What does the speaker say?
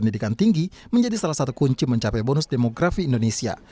pendidikan tinggi menjadi salah satu kunci mencapai bonus demografi indonesia